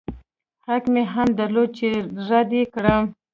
حق مې هم درلود چې رد يې کړم.